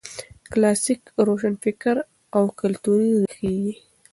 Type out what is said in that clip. کلاسیک روشنفکر او کلتوري ريښې یې